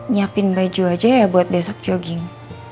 nyiapin baju aja ya buat besok jogging